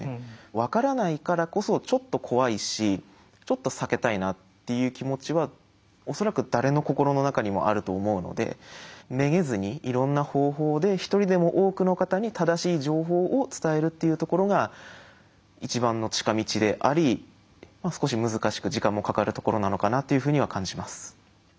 分からないからこそちょっと怖いしちょっと避けたいなっていう気持ちは恐らく誰の心の中にもあると思うのでめげずにいろんな方法で一人でも多くの方に正しい情報を伝えるっていうところが一番の近道であり少し難しく時間もかかるところなのかなというふうには感じます。